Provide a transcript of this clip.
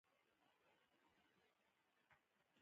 لجه منګل ځنګلونه لري؟